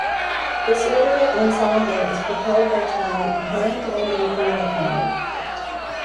This literate ensembler is propelled by talent behind and in front of the camera.